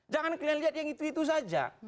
jangan kalian lihat yang itu itu saja